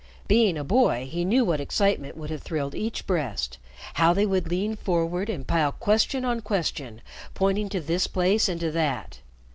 Being a boy, he knew what excitement would have thrilled each breast, how they would lean forward and pile question on question, pointing to this place and to that.